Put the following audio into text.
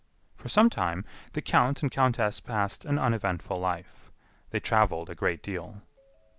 For some time, the count and countess passed an uneventful life. They traveled a great deal.